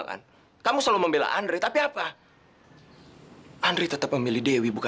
di luar cantik di dalam licik